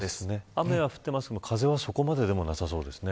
雨は降っていますけど風はそこまででもなさそうですね。